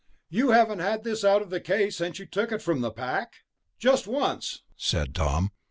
"You haven't had this out of the case since you took it from the pack?" "Just once," said Tom.